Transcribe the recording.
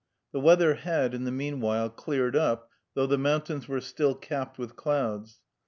The weather had, in the meanwhile, cleared up, though the mountains were still capped with clouds.